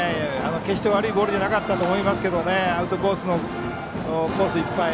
決して悪いボールではなかったと思いますけどアウトコースのコースいっぱい。